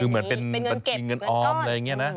คือเหมือนเป็นเงินเก็บเป็นเงินออมอะไรอย่างนี้นะ